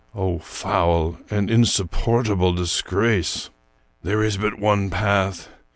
Oh, foul and insupportable disgrace! " There is but one path.